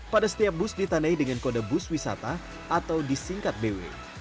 pada setiap bus ditandai dengan kode bus wisata atau disingkat bw